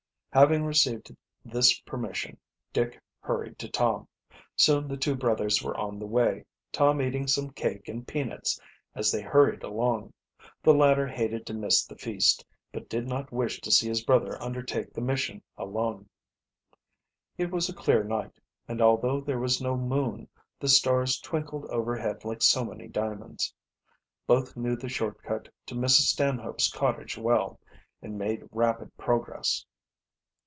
Having received this permission, Dick hurried to Tom. Soon the two brothers were on the way, Tom eating some cake and peanuts as they hurried along. The latter hated to miss the feast, but did not wish to see his brother under take the mission alone. It was a clear night, and although there was no moon, the stars twinkled overhead like so many diamonds. Both knew the short cut to Mrs. Stanhope's cottage well, and made rapid progress.